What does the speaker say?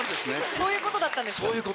そういうことだったんですか。